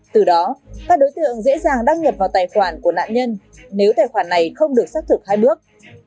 từ đó các đối tượng dễ dàng đăng nhập vào tài khoản của nạn nhân nếu tài khoản này không được xác thực hai bước